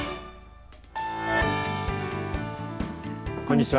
こんにちは。